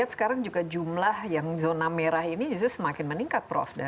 dan sekarang juga jumlah yang zona merah ini semakin meningkat prof